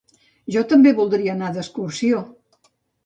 Jo també voldria anar d'excursió